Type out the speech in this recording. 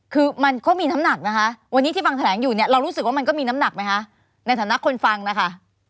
คือมันก็มีน้ำหนักนะคะวันนี้ที่ฟังแถลงอยู่เนี่ยเรารู้สึกว่ามันก็มีน้ำหนักไหมคะในฐานะคนฟังนะคะ